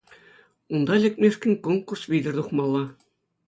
Унта лекмешкӗн конкурс витӗр тухмалла.